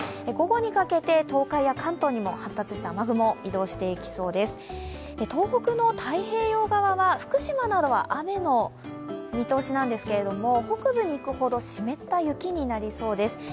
午後にかけて東海や関東にも発達した雨雲移動していきそうです、東北の太平洋側は福島などは雨の見通しなんですけど、北部に行くほど湿った雪になりそうです。